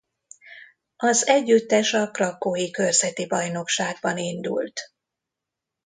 Az együttes a Krakkói Körzeti Bajnokságban indult.